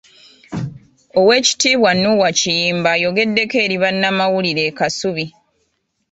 Oweekitiibwa Noah Kiyimba ayogeddeko eri bannamawulire e Kasubi.